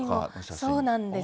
そうなんです。